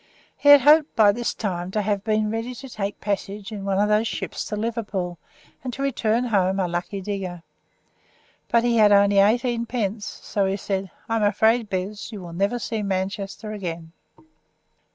He had hoped by this time to have been ready to take a passage in one of those ships to Liverpool, and to return home a lucky digger. But he had only eighteen pence, so he said, "I am afraid, Bez, you will never see Manchester again."